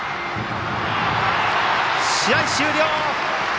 試合終了！